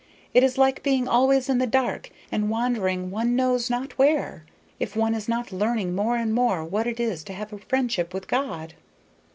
It is like being always in the dark, and wandering one knows not where, if one is not learning more and more what it is to have a friendship with God."